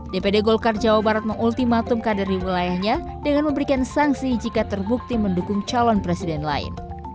dpd golkar jawa barat mengultimatum kader di wilayahnya dengan memberikan sanksi jika terbukti mendukung calon presiden lain